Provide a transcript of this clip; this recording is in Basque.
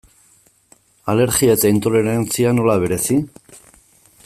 Alergia eta intolerantzia, nola bereizi?